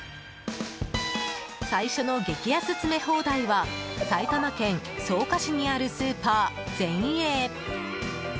最初の激安詰め放題は埼玉県草加市にあるスーパーゼンエー。